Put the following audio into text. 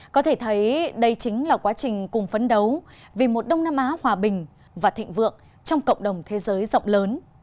có thể thấy đây chính là quá trình cùng phấn đấu vì một đông nam á hòa bình và thịnh vượng trong cộng đồng thế giới rộng lớn